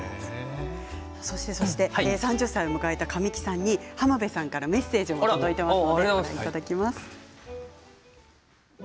３０歳を迎えた神木さんに浜辺さんからメッセージが届いています。。